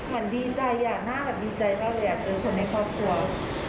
ขันดีใจหน้ากับดีใจมากเลยเจอคนในครอบครัว